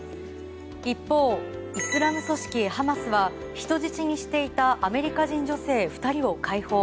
一方イスラム組織ハマスは人質にしていたアメリカ人女性２人を解放。